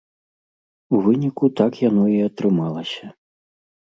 У выніку так яно і атрымалася.